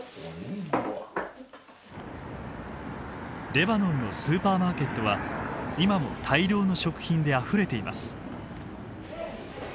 レバノンのスーパーマーケットは今も大量の食品であふれています。